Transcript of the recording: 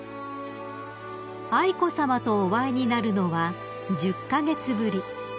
［愛子さまとお会いになるのは１０カ月ぶり］